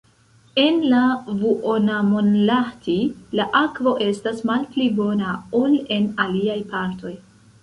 En la Vuonamonlahti la akvo estas malpli bona ol en aliaj partoj.